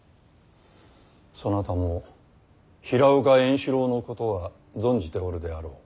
そなたも平岡円四郎のことは存じておるであろう。